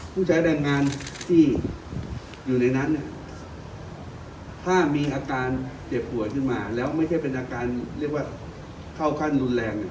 ผู้ใช้แรงงานที่อยู่ในนั้นถ้ามีอาการเจ็บป่วยขึ้นมาแล้วไม่ใช่เป็นอาการเรียกว่าเข้าขั้นรุนแรง